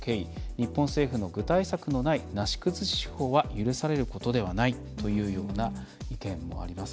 日本政府の具体策のないなし崩し手法は許されることではない」というような意見もあります。